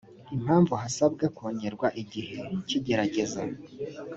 impamvu hasabwa kongerwa igihe cy igerageza